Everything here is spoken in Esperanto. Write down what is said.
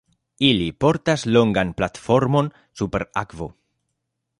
Ili portas longan platformon, super akvo.